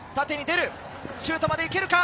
シュートまでいけるか。